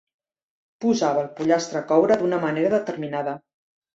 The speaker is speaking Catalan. Posava el pollastre a coure d'una manera determinada.